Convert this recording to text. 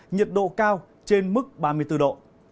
nhiệt độ cao trên mức ba mươi bốn độ